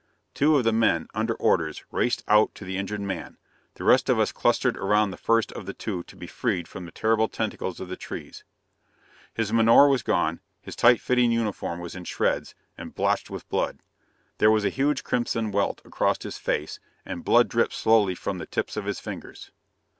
Two of the men, under orders, raced out to the injured man: the rest of us clustered around the first of the two to be freed from the terrible tentacles of the trees. His menore was gone, his tight fitting uniform was in shreds, and blotched with blood. There was a huge crimson welt across his face, and blood dripped slowly from the tips of his fingers.